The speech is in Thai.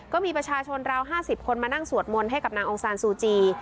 ก็มีประชาชนราว๕๐คนมานั่งสวดมนต์ให้กับนางองซานซูจี